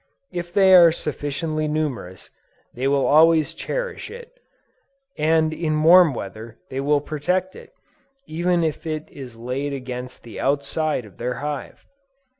If they are sufficiently numerous, they will always cherish it, and in warm weather, they will protect it, even if it is laid against the outside of their hive!